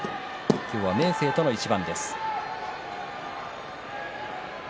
今日は明生との一番です。